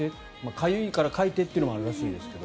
かゆいから、かいてっていうのもあるらしいですけど。